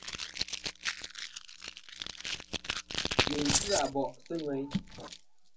Dyèyn ji Abòʼ sɨ̂ ŋweyn.